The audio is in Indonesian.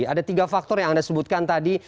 ada tiga faktor yang anda sebutkan tadi